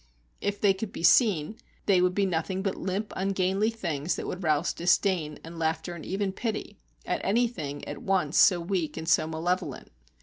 If they could be seen, they would be nothing but limp ungainly things that would rouse disdain and laughter and even pity, at anything at once so weak and so malevolent.